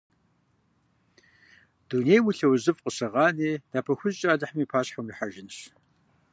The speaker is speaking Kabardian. Дунейм уи лъэужьыфӀ къыщыгъани, напэ хужькӀэ Алыхьым и пащхьэ уихьэжынщ…